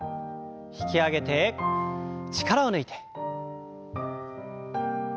引き上げて力を抜いて。